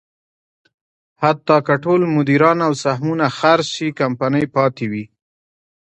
حتی که ټول مدیران او سهمونه خرڅ شي، کمپنۍ پاتې وي.